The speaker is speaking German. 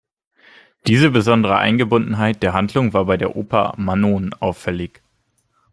Diese besondere Eingebundenheit der Handlung war bei der Oper "Manon" auffällig.